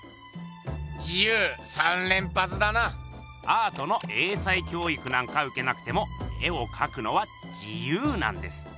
アートの英才教育なんかうけなくても絵をかくのは自由なんです。